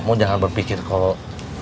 kamu jangan berpikir kok